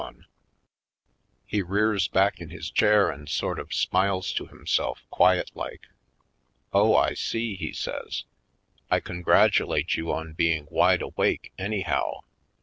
Business Deals 165 He rears back in his chair and sort of smiles to himself, quiet like. "Oh, I see," he says. "I congratulate you on being wide awake, anyhow.